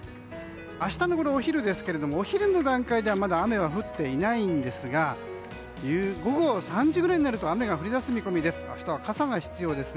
明日のお昼ですがお昼の段階でまだ雨は降っていないんですが午後３時くらいになると雨が降り出す見込みです。